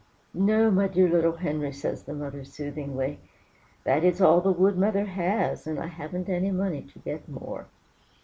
"No, my dear little Henry," says the mother soothingly, "that is all the wood mother has, and I haven't any money to get more."